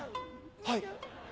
「はい」。